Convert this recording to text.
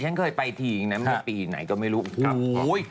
ฉันเคยไปที่อีกหนึ่งปีไหนก็ไม่รู้